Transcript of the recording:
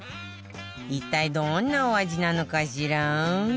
一体どんなお味なのかしら？